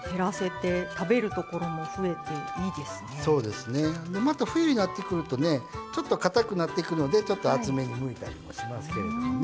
でまた冬になってくるとねちょっとかたくなっていくのでちょっと厚めにむいたりもしますけれどね。